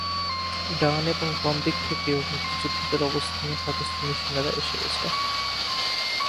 ডান এবং বাম দিক থেকেও মুক্তিযোদ্ধাদের অবস্থানে পাকিস্তানি সেনারা এসে গেছে।